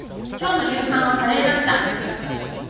今日の夕飯はカレーだった